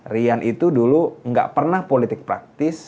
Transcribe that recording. rian itu dulu nggak pernah politik praktis